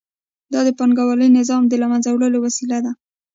دا د پانګوالي نظام د له منځه وړلو وسیله ده